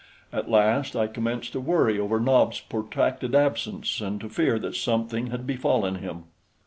At last I commenced to worry over Nobs' protracted absence and to fear that something had befallen him.